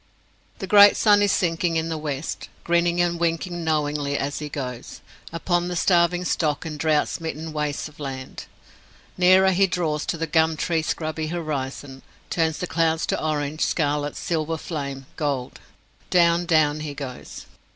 The great sun is sinking in the west, grinning and winking knowingly as he goes, upon the starving stock and drought smitten wastes of land. Nearer he draws to the gum tree scrubby horizon, turns the clouds to orange, scarlet, silver flame, gold! Down, down he goes.